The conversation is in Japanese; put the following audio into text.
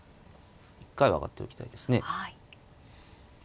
一回は上がっておきたいですね。